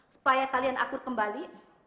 supaya kalian akur kembali